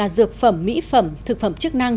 dược phẩm mỹ phẩm thực phẩm chức năng